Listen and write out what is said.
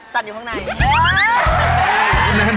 สั่นอยู่ข้างใน